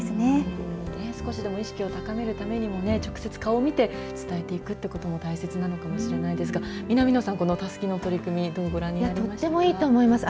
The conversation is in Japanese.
少しでも意識を高めるためにもね、直接、顔を見て、伝えていくっていうことも大切なのかもしれないですが、南野さん、このたすきの取り組み、どうご覧になりとってもいいと思います。